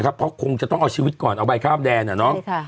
นะครับเพราะคงจะต้องเอาชีวิตก่อนเอาใบข้ามแดนอ่ะน้อง